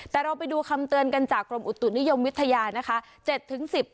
แต่เราไปดูคำเตือนกันจากกรมอุตุนิยมวิทยานะคะ